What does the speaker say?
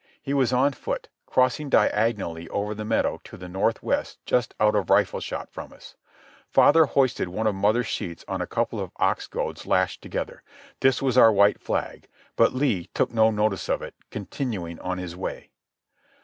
He was on foot, crossing diagonally over the meadow to the north west just out of rifle shot from us. Father hoisted one of mother's sheets on a couple of ox goads lashed together. This was our white flag. But Lee took no notice of it, continuing on his way.